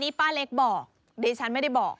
นี่ป้าเล็กบอกดิฉันไม่ได้บอก